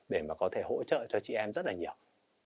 để mà có thể hỗ trợ cho chị em rất là nhiều